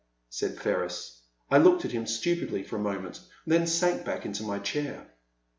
'' said Ferris. I looked at him stupidly for a moment, then sank back into my chair.